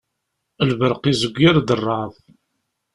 Lberq izewwir-d rreεḍ.